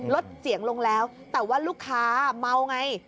ลดเสียงลงแล้วแต่ว่าลูกค้าเมาไง